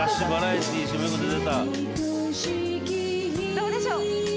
どうでしょう？